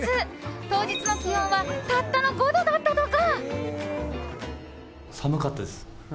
当日の気温はたったの５度だったとか。